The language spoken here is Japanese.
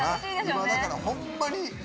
今だからホンマに。